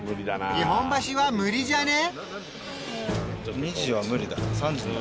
日本橋は無理じゃねえ？